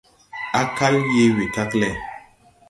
Á kal yee wekag lɛ.